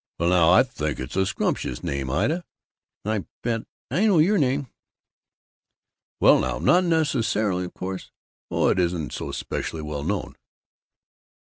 '" "Well, now, I think it's a scrumptious name. Ida!" "I bet I know your name!" "Well, now, not necessarily. Of course Oh, it isn't so specially well known."